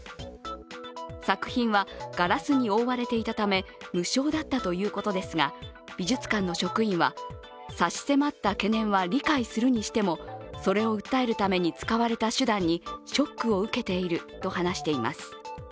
作品はガラスに覆われていたため無傷だったということですが美術館の職員は、差し迫った懸念は理解するにしてもそれを訴えるために使われた手段にショックを受けていると話しています。